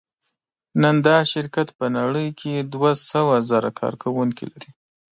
نن دا شرکت په نړۍ کې دوهسوهزره کارکوونکي لري.